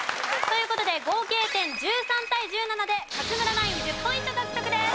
という事で合計点１３対１７で勝村ナイン１０ポイント獲得です。